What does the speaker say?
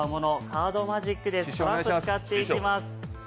カードマジック、トランプをつかっていきます。